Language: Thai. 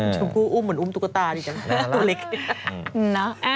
ชุมกู้อุ้มเหมือนอุ้มตุ๊กตาดีจัง